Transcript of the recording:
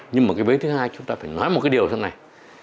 nhưng mà cái vấn thứ hai chúng ta phải nói một cái điều thế này